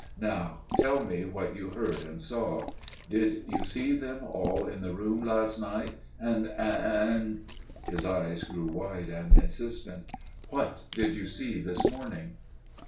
Now tell me what you heard and saw. Did you see them all in the room last night? and––and"––his eyes grew wide and insistent––"what did you see this morning?"